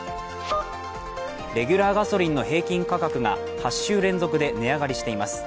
レギュラーガソリンの平均価格が８週連続で値上がりしています。